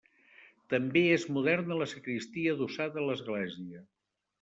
També és moderna la sagristia adossada a l'església.